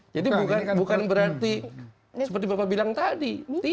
jadi bukan berarti seperti bapak bilang tadi